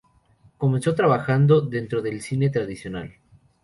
Comenzó trabajando dentro del "cine tradicional".